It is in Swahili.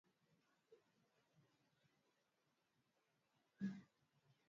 vipindi mbalimbali viliendeshwa katika redio hizo